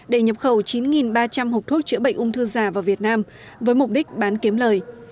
để nhập khẩu chín ba trăm linh hộp thuốc chữa bệnh ung thư giả vào việt nam với mục đích bán kiếm lời